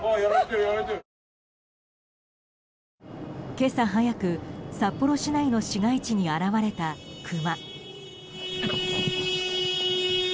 今朝早く、札幌市内の市街地に現れたクマ。